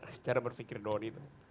secara berpikir doni